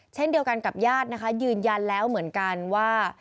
เช่นเดียวกันกับญาตินะคะยืนยันแล้วเหมือนกันว่า